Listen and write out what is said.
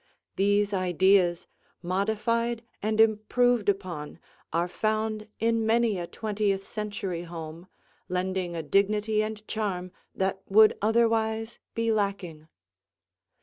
These ideas, modified and improved upon, are found in many a twentieth century home, lending a dignity and charm that would otherwise be lacking.